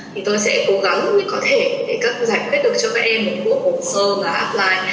thì tôi sẽ cố gắng cũng như có thể để giải quyết được cho các em một khu vực hồ sơ và offline